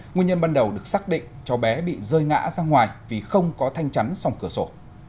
nguyên nhân ban đầu được xác định cháu bé bị rơi ngã ra ngoài vì không có thanh chắn song cửa sổ